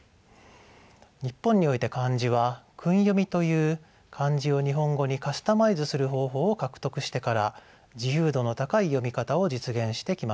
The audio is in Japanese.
日本において漢字は訓読みという漢字を日本語にカスタマイズする方法を獲得してから自由度の高い読み方を実現してきました。